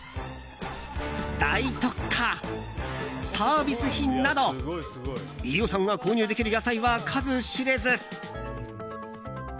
大特価、サービス品など飯尾さんが購入できる野菜は数知れず。